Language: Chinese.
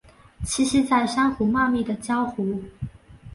栖息在珊瑚茂密的礁湖。